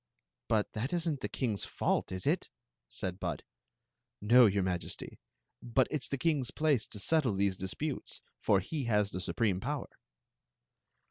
" But that is n't the king's fault, is it ?" said Bud. "No, your Majesty; but it's the king's place to settle these disputes, for he has the supreme power."